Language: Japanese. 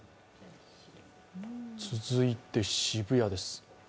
続いて渋谷です。